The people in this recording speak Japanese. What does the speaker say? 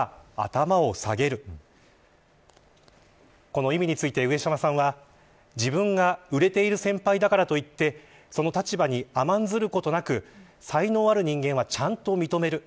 この意味について、上島さんは自分が売れている先輩だからといってその立場に甘んじることなく才能ある人間はちゃんと認める。